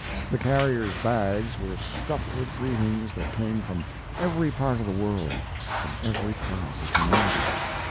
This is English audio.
The carriers' bags were stuffed with greetings that came from every part of the world, from every class of humanity.